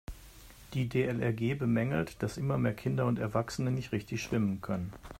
Die DLRG bemängelt, dass immer mehr Kinder und Erwachsene nicht richtig schwimmen können.